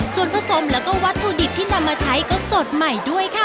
ส่วนผสมแล้วก็วัตถุดิบที่นำมาใช้ก็สดใหม่ด้วยค่ะ